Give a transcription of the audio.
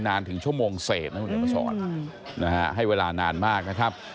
นานถึงชั่วโมงเศษนะครับให้เวลานานมากนะครับ